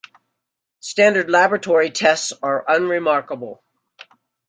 Standard laboratory tests are unremarkable.